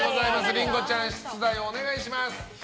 りんごちゃん出題をお願いします。